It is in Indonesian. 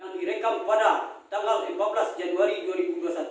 yang direkam pada tanggal lima belas januari dua ribu dua puluh satu